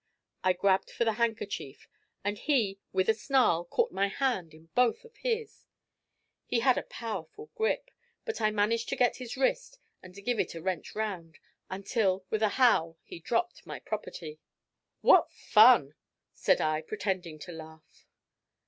I grabbed for the handkerchief; and he, with a snarl, caught my hand in both of his. He had a powerful grip, but I managed to get his wrist and to give it a wrench round, until, with a howl, he dropped my property. "What fun," said I, pretending to laugh.